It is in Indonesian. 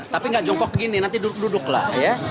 tapi nggak jongkok gini nanti duduk duduk lah